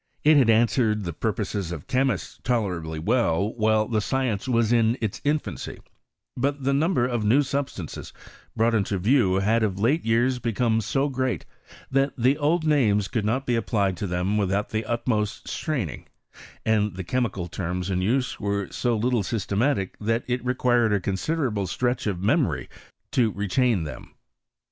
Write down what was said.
It had answered the pur poses of chemists tolerably well while the science was in its infancy ; but the number of new sub stances brought into view had of late years become ao great, that the old names could not be applied to them without the utmost straining : and the che mical terms in use were so little systematic that it Inquired a considerable stretch of memory to retain them.